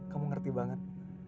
kamu ngerti banget